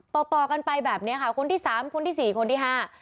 ต่อต่อกันไปแบบเนี้ยค่ะคนที่สามคนที่สี่คนที่ห้า